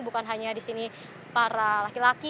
bukan hanya di sini para laki laki